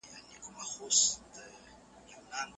چي دا سپین ږیري دروغ وايي که ریشتیا سمېږي